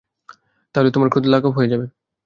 তাহলে তোমার ক্রোধ লাঘব হয়ে যাবে।